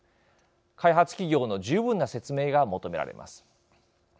開発企業の十分な説明が求められます。